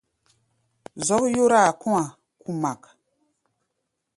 Zɔ́k yóráa kɔ̧́-a̧ kumak.